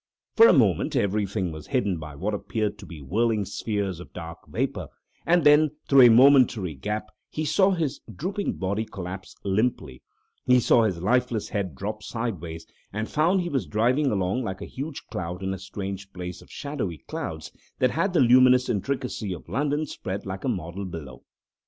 For a moment everything was hidden by what appeared to be whirling spheres of dark vapour, and then through a momentary gap he saw his drooping body collapse limply, saw his lifeless head drop sideways, and found he was driving along like a huge cloud in a strange place of shadowy clouds that had the luminous intricacy of London spread like a model below.